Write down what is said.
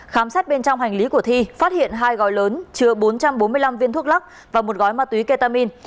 khám xét bên trong hành lý của thi phát hiện hai gói lớn chứa bốn trăm bốn mươi năm viên thuốc lắc và một gói ma túy ketamin